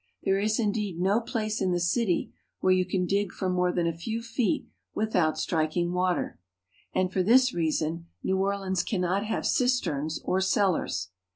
There is, indeed, no place in the city where you can dig for more than a few feet without striking water, and for this reason New Orleans cannot have cisterns or cellars.